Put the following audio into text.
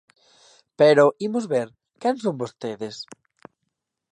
Pero, imos ver, ¿quen son vostedes?